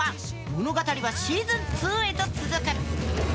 物語はシーズン２へと続く。